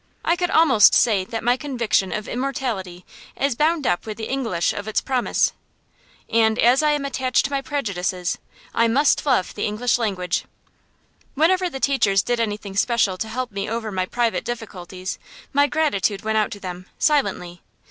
I could almost say that my conviction of immortality is bound up with the English of its promise. And as I am attached to my prejudices, I must love the English language! Whenever the teachers did anything special to help me over my private difficulties, my gratitude went out to them, silently.